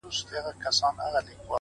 هوډ د شکونو دیوال نړوي.!